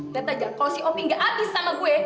tentang aja kalo si opi gak abis sama gue